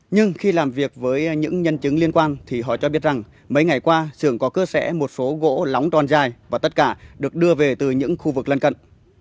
nhưng khi làm việc với những nhân chứng liên quan thì họ cho biết rằng mấy ngày qua xưởng có cơ sẽ một số gỗ lóng toàn dài và tất cả được đưa về từ những khu vực lân cận